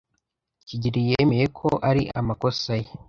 kigeli yemeye ko ari amakosa ye.